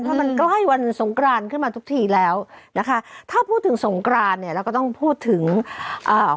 ถ้ามันใกล้วันสงกรานขึ้นมาทุกทีแล้วนะคะถ้าพูดถึงสงกรานเนี่ยเราก็ต้องพูดถึงอ่า